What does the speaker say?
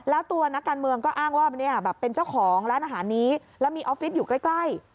แล้วตัวนักการเมืองก็อ้างว่าเนี่ยแบบเป็นเจ้าของร้านอาหารนี้แล้วมีออฟฟิศอยู่ใกล้